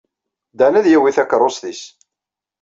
Dan ad yawey takeṛṛust-nnes.